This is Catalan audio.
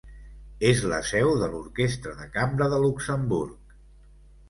És la seu de l'Orquestra de Cambra de Luxemburg.